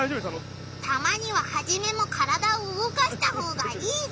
たまにはハジメも体をうごかしたほうがいいぞ！